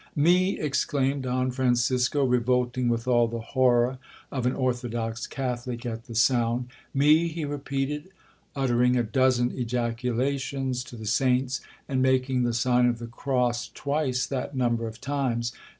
'—'Me!' exclaimed Don Francisco, revolting with all the horror of an orthodox Catholic at the sound.—'Me!' he repeated, uttering a dozen ejaculations to the saints, and making the sign of the cross twice that number of times.